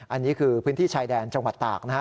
อันนี้คือพื้นที่ชายแดนจังหวัดตากนะฮะ